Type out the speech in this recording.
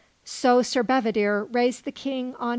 So Sir Bedivere raised the King on.